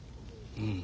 うん。